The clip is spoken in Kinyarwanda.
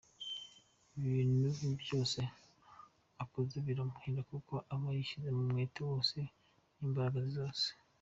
Ibintu byose akoze biramuhira kuko aba yabishyizemo umwete wose n’imbaraga ze zose.